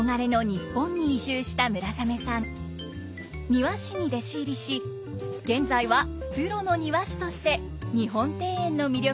庭師に弟子入りし現在はプロの庭師として日本庭園の魅力を発信しています。